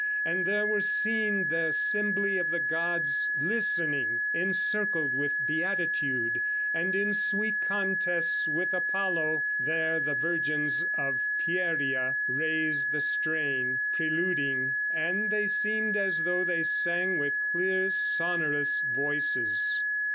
And there were seen th' assembly of the gods Listening; encircled with beatitude; And in sweet contest with Apollo there The virgins of Pieria raised the strain Preluding; and they seemed as though they sang With clear, sonorous voices."